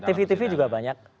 tv tv juga banyak